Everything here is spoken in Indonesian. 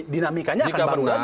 dinamikanya akan baru lagi